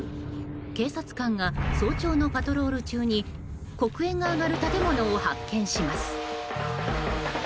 警察官が早朝のパトロール中に黒煙が上がる建物を発見します。